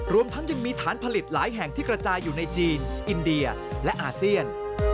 รวมทั้งยังมีฐานผลิตหลายแห่งที่กระจายอยู่ในจีนอินเดียและอาเซียน